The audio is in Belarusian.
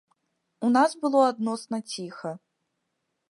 У нас было адносна ціха.